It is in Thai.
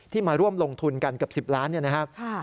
ที่มาร่วมลงทุนกันเกือบ๑๐ล้านนะครับ